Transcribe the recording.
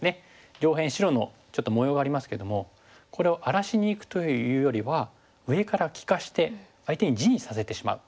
上辺白のちょっと模様がありますけどもこれを荒らしにいくというよりは上から利かして相手に地にさせてしまう。